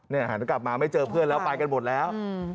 เนี่ยหากจะกลับมาไม่เจอเพื่อนแล้วไปกันหมดแล้ว